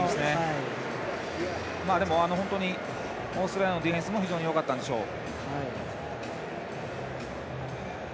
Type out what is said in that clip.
でも、オーストラリアのディフェンスも非常によかったんでしょう。